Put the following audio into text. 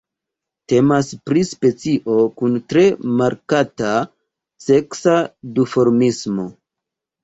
Temas pri specio kun tre markata seksa duformismo.